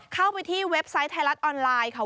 เข้าไปที่เว็บไซต์ไทยรัฐออนไลน์ค่ะ